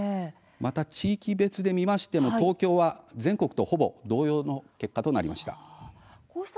また地域別で見ましても東京は全国とほぼ同様の結果となりました。